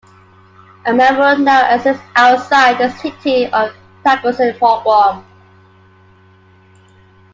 A memorial now exists outside the city for the Tykocin pogrom.